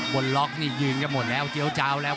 บนล็อกนี่ยืนกันหมดแล้วเจี๊ยวเจ้าแล้ว